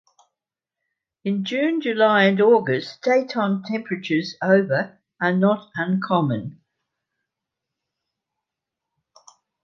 In June, July, and August, daytime temperatures over are not uncommon.